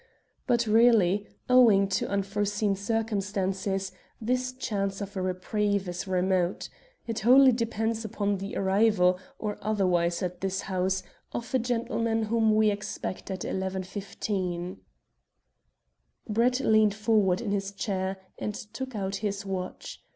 But really, owing to unforeseen circumstances, this chance of a reprieve is remote. It wholly depends upon the arrival, or otherwise, at this house, of a gentleman whom we expect at 11.15." Brett leaned forward in his chair, and took out his watch.